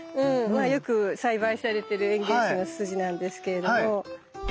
まあよく栽培されてる園芸種のツツジなんですけれども。